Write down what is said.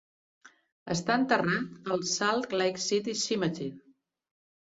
Està enterrat al Salt Lake City Cemetery.